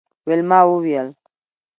ویلما وویل